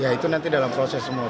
ya itu nanti dalam proses semua